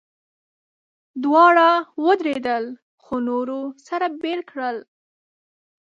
دواړه ودرېدل، خو نورو سره بېل کړل.